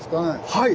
はい！